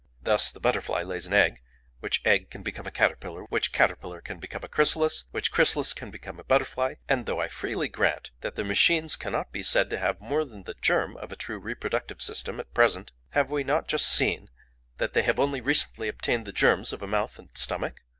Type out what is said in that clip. Thus the butterfly lays an egg, which egg can become a caterpillar, which caterpillar can become a chrysalis, which chrysalis can become a butterfly; and though I freely grant that the machines cannot be said to have more than the germ of a true reproductive system at present, have we not just seen that they have only recently obtained the germs of a mouth and stomach?